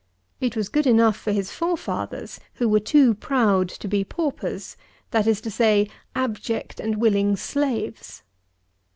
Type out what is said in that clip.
It was good enough for his forefathers, who were too proud to be paupers, that is to say, abject and willing slaves.